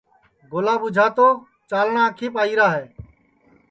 گولا ٻُوجھا تو چاݪٹؔا آنکھیپ آئیرا ہے